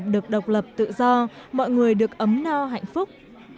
được độc lập tự do mọi người được ấm no hạnh phúc